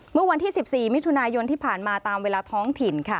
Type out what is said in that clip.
เมื่อวันที่๑๔มิถุนายนที่ผ่านมาตามเวลาท้องถิ่นค่ะ